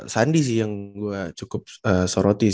sandi sih yang gue cukup soroti